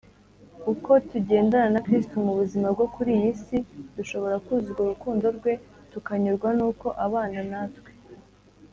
uko tugendana na kristo mu buzima bwo kuri iyi si, dushobora kuzuzwa urukundo rwe kandi tukanyurwa n’uko abana natwe